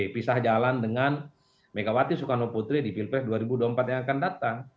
pisah jalan dengan megawati soekarno putri di pilpres dua ribu dua puluh empat yang akan datang